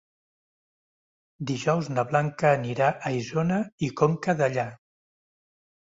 Dijous na Blanca anirà a Isona i Conca Dellà.